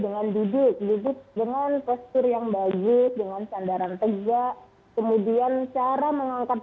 dengan duduk duduk dengan postur yang bagus dengan sandaran tegak kemudian cara mengangkat